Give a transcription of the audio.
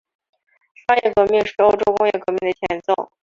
商业革命是欧洲工业革命的前奏。